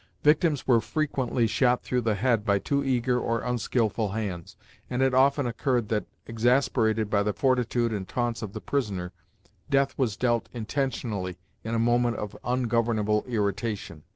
Victims were frequently shot through the head by too eager or unskilful hands, and it often occurred that, exasperated by the fortitude and taunts of the prisoner, death was dealt intentionally in a moment of ungovernable irritation.